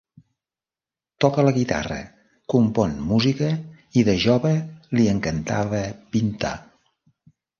Toca la guitarra, compon música i de jove li encantava pintar.